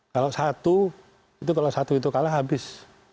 kalau satu itu kalau satu itu kalah habis